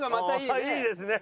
ああいいですね。